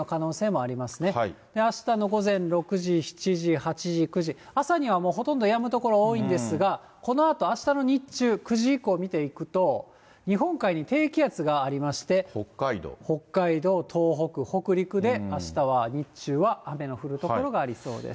あしたの午前６時、７時、８時、９時、朝にはもう、ほとんどやむ所多いんですが、このあと、あしたの日中、９時以降見ていくと、日本海に低気圧がありまして、北海道、東北、北陸で、あしたは日中は雨の降る所がありそうです。